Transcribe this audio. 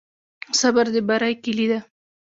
صبر د بری کلي ده.